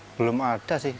belum ada sih